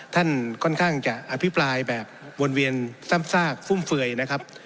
ท่านค่อนข้างจะอภิปรายแบบวนเวียนซ้ำซากฟุ่มเฟือยนะครับ